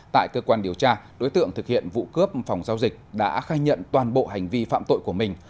tại cơ quan điều tra đối tượng thực hiện vụ cướp phòng giao dịch đã khai nhận toàn bộ hành vi phạm tội của mình